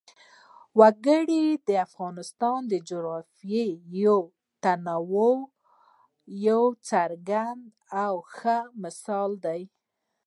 وګړي د افغانستان د جغرافیوي تنوع یو څرګند او ښه مثال دی.